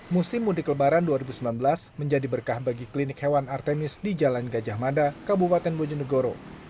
musim mudik lebaran dua ribu sembilan belas menjadi berkah bagi klinik hewan artemis di jalan gajah mada kabupaten bojonegoro